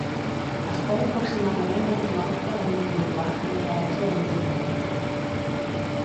Es troba aproximadament a un quilòmetre del nucli urbà en el paratge del mateix nom.